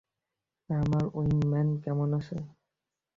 আমার উইংম্যান কেমন আছে?